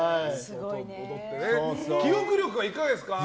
記憶力はいかがですか？